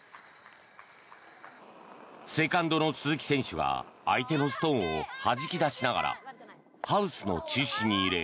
セカンドの鈴木選手が相手のストーンをはじき出しながらハウスの中心に入れ